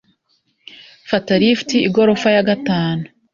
Fata lift igorofa ya gatanu.